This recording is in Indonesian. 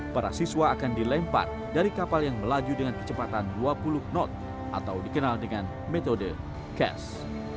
para siswa akan dilempar dari kapal yang melaju dengan kecepatan dua puluh knot atau dikenal dengan metode cash